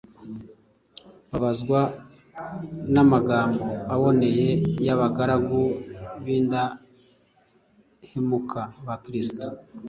Bababazwa n’amagambo aboneye y’abagaragu b’indahemuka ba Kristo